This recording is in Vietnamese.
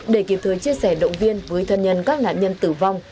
để kịp thời chia sẻ động viên với thân nhân các nạn nhân tử vong